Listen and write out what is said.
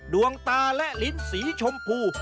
ดวงตาและลิ้นสีชมพู